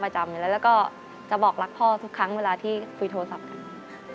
จะบอกรักพ่อทุกครั้งเวลาที่คุยโทรศัพท์กันค่ะ